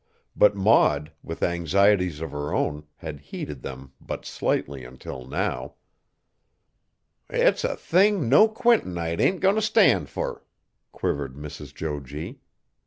But Maud, with anxieties of her own, had heeded them but slightly until now. "It's a thing no Quintonite ain't goin' t' stand fur!" quivered Mrs. Jo G.